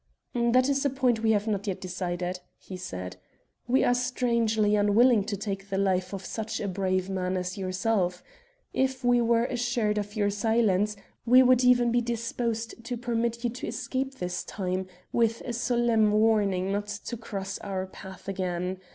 "That is a point we have not yet decided," he said. "We are strangely unwilling to take the life of such a brave man as yourself. If we were assured of your silence, we would even be disposed to permit you to escape this time, with a solemn warning not to cross our path again.